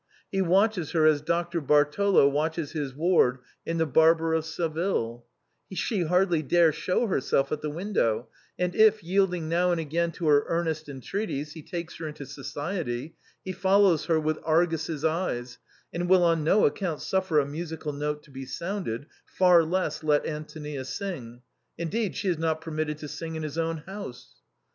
He watches her as Doctor Bartholo watches his ward in the Barber of Seville ; she hardly dare show herself at the window ; and if, yielding now and again to her earnest entreaties, he takes her into society, he follows her with Argus' eyes, and will on no account suffer a musical note to be sounded, far less let Antonia sing — indeed, she is not permitted to sing in his own house.